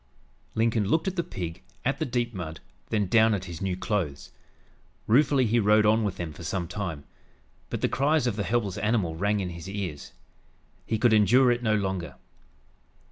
Lincoln looked at the pig, at the deep mud, then down at his new clothes. Ruefully he rode on with them for some time. But the cries of the helpless animal rang in his ears. He could endure it no longer.